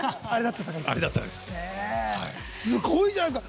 すごいじゃないですか。